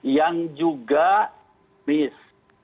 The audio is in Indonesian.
yang juga bis